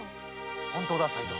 本当だ才蔵。